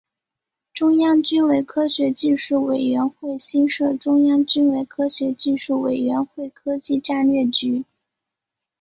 中央军委科学技术委员会新设中央军委科学技术委员会科技战略局。